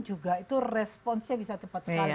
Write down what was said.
juga itu responsnya bisa cepat sekali